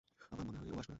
আমার মনে হয় ও আসবেনা।